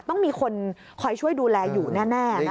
ต้องมีคนคอยช่วยดูแลอยู่แน่